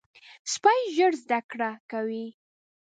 سپي ژر زده کړه کوي.